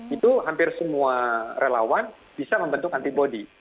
itu hampir semua relawan bisa membentuk antibody